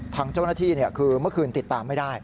ทางเจ้าหน้าที่คือเมื่อคืนติดตามไม่ได้